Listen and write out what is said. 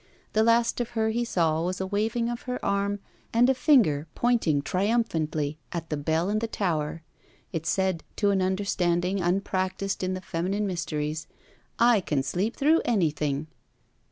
The last of her he saw was a waving of her arm and finger pointing triumphantly at the Bell in the tower. It said, to an understanding unpractised in the feminine mysteries: 'I can sleep through anything.'